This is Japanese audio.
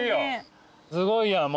すごいやん。